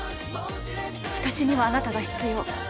私にはあなたが必要。